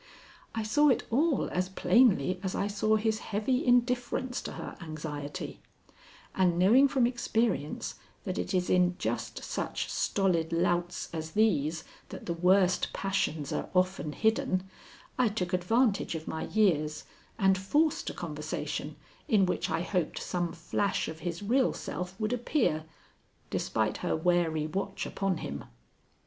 I saw it all as plainly as I saw his heavy indifference to her anxiety; and knowing from experience that it is in just such stolid louts as these that the worst passions are often hidden, I took advantage of my years and forced a conversation in which I hoped some flash of his real self would appear, despite her wary watch upon him.